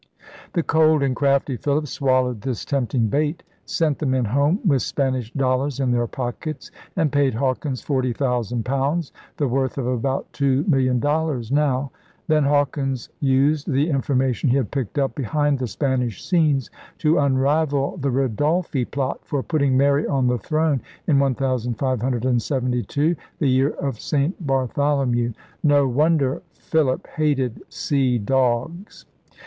The cold and crafty Philip swallowed this tempting bait; sent the men home with Span ish dollars in their pockets, and paid Hawkins forty thousand pounds, the worth of about two million dollars now. Then Hawkins used the in formation he had picked up behind the Spanish scenes to unravel the Ridolfi Plot for putting Mary on the throne in 1572, the year of St. Bar tholomew. No wonder Philip hated sea dogs!